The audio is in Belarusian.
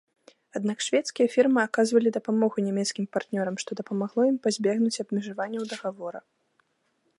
Аднак шведскія фірмы аказвалі дапамогу нямецкім партнёрам, што дапамагло ім пазбегнуць абмежаванняў дагавора.